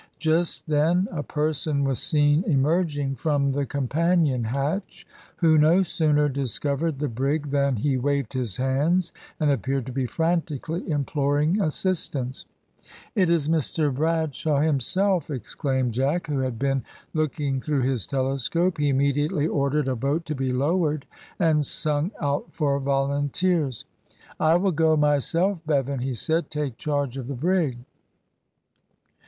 Just then a person was seen emerging from the companion hatch, who no sooner discovered the brig, than he waved his hands and appeared to be frantically imploring assistance. "It is Mr Bradshaw himself!" exclaimed Jack, who had been looking through his telescope. He immediately ordered a boat to be lowered, and sung out for volunteers. "I will go myself, Bevan," he said. "Take charge of the brig."